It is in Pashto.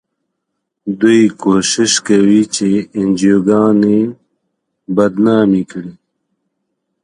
دوی کوښښ کوي چې انجوګانې بدنامې کړي.